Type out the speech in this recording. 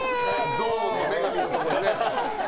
ゾーンの女神のところにね。